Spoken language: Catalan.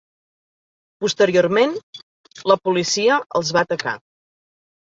Posteriorment, la policia els va atacar.